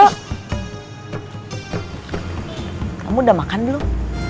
kamu udah makan belum